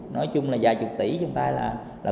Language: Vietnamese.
nói chung là vài chục tỷ trong tay là